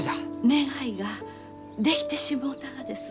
願いができてしもうたがです。